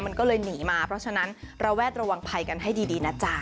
มันก็เลยหนีมาเพราะฉะนั้นระแวดระวังภัยกันให้ดีนะจ๊ะ